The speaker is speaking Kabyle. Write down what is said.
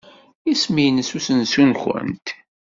Isem-nnes usensu-nwent?